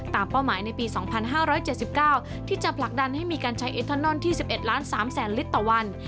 เป้าหมายในปี๒๕๗๙ที่จะผลักดันให้มีการใช้เอทานอนที่๑๑ล้าน๓แสนลิตรต่อวัน